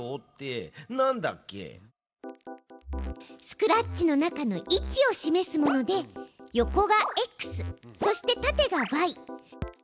スクラッチの中の位置を示すもので横がｘそして縦がｙ。